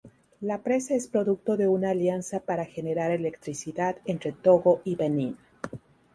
La presa es producto de una alianza para generar electricidad entre Togo y Benín.